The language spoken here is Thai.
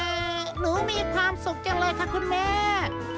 แต่หนูมีความสุขจังเลยค่ะคุณแม่